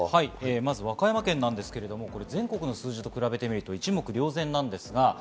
まず和歌山県ですけれど、全国の数字と比べると一目瞭然です。